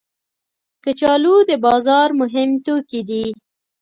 کچالو د بازار مهم توکي دي